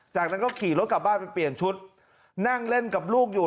จากนั้นก็ขี่รถกลับบ้านไปเปลี่ยนชุดนั่งเล่นกับลูกอยู่